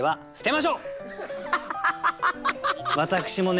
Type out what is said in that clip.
私もね